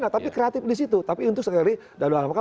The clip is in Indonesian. tapi kreatif di situ tapi untuk sekali